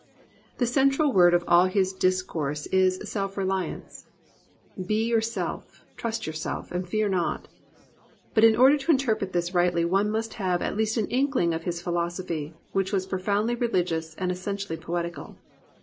The central word of all his discourse is Self reli ance, — ^be yourself, trust yourself, and fear notf But in order to interpret this rightly one must have at least an inkling of his philosophy, which was pro foundly religious and essentially poetical.